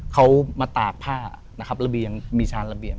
เขามาตากผ้านะครับระเบียงมีชานระเบียง